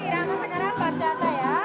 kita pilih sekarang bachata ya